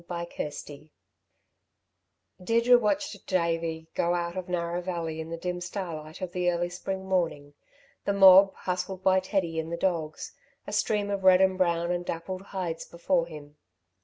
CHAPTER XXXIX Deirdre watched Davey going out of Narrow Valley in the dim starlight of the early spring morning, the mob, hustled by Teddy and the dogs, a stream of red and brown and dappled hides before him.